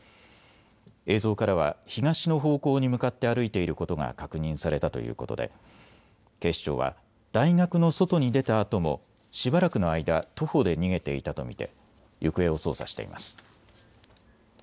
映像からは東の方向に向かって歩いていることが確認されたということで警視庁は大学の外に出たあともしばらくの間、徒歩で逃げていたと見て行方を捜査しています。